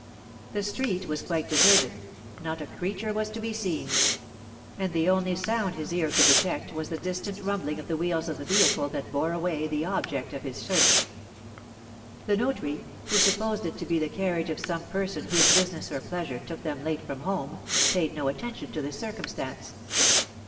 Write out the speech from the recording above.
The street was quite deserted, not a creature was to be seen; and the only sound his ear could detect was the distant rumbling of the wheels of the vehicle that bore away the object of his search. The notary, who supposed it to be the carriage of some person whose business or pleasure took them late from home, paid no attention to this circumstance.